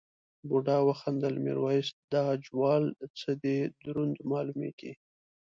بوډا وخندل میرويس دا جوال څه دی دروند مالومېږي.